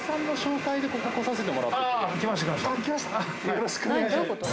よろしくお願いします。